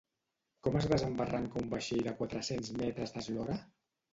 Com es desembarranca un vaixell de quatre-cents metres d’eslora?